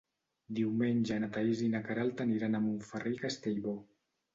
Diumenge na Thaís i na Queralt aniran a Montferrer i Castellbò.